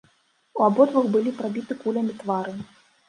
У абодвух былі прабіты кулямі твары.